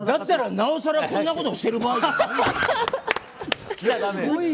だったら、なおさらこんなことしている場合じゃない。